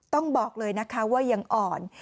ต้องบอกเลยนะคะว่ายังอ่อน